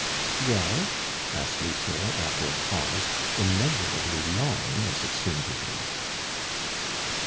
"Well?" asked Lucien after a pause, immeasurably long, as it seemed to him.